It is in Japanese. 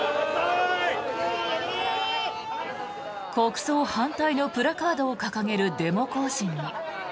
国葬反対のプラカードを掲げるデモ行進に。